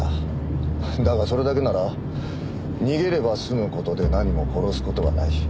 だがそれだけなら逃げれば済む事で何も殺す事はない。